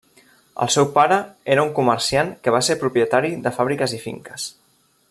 El seu pare era un comerciant que va ser propietari de fàbriques i finques.